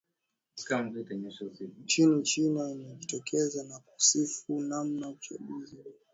ini china imejitokeza na kusifu namna uchaguzi huo ulivyoendeshwa